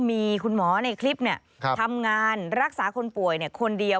มีคุณหมอในคลิปทำงานรักษาคนป่วยคนเดียว